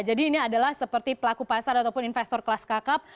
ini adalah seperti pelaku pasar ataupun investor kelas kakap